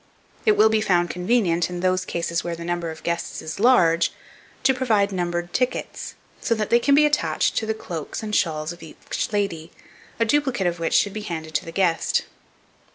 It will be found convenient, in those cases where the number of guests is large, to provide numbered tickets, so that they can be attached to the cloaks and shawls of each lady, a duplicate of which should be handed to the guest.